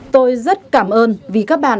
tôi rất cảm ơn vì các bạn